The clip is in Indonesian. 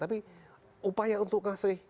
tapi upaya untuk ngasih